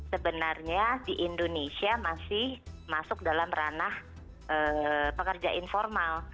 sebenarnya di indonesia masih masuk dalam ranah pekerja informal